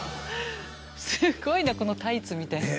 すごいなこのタイツみたいなの。